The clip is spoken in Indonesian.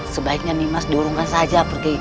sebaiknya nih mas durungkan saja pergi ke kerawang